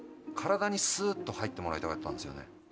体にスーッと入ってもらいたかったんですよね